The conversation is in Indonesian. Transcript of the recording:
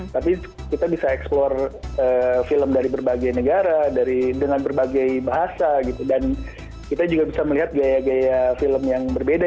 tapi kita bisa eksplor film dari berbagai negara dengan berbagai bahasa dan kita juga bisa melihat gaya gaya film yang berbeda